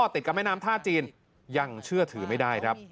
ติดกับแม่น้ำท่าจีนยังเชื่อถือไม่ได้ครับ